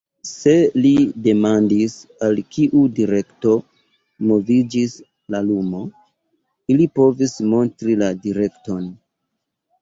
Se li demandis, al kiu direkto moviĝis la lumo, ili povis montri la direkton.